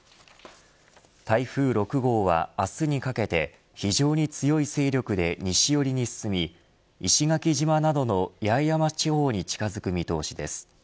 台風６号は明日にかけて非常に強い勢力で西寄りに進み石垣島などの八重山地方に近づく見込みです。